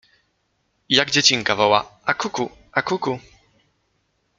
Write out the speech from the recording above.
I jak dziecinka woła: a kuku, a kuku.